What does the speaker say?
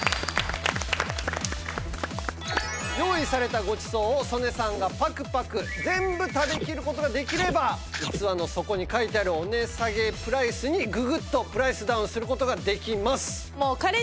用意されたごちそうを曽根さんがパクパク全部食べきる事ができれば器の底に書いてあるお値下げプライスにググッとプライスダウンする事ができます。